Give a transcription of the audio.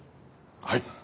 はい。